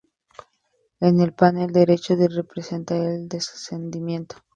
En el panel derecho se representa el Descendimiento.